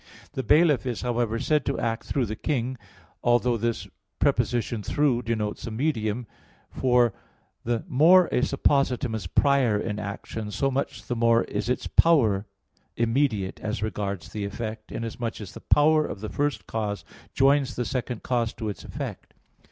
The bailiff is, however, said to act through the king, although this preposition "through" denotes a medium, for the more a suppositum is prior in action, so much the more is its power immediate as regards the effect, inasmuch as the power of the first cause joins the second cause to its effect.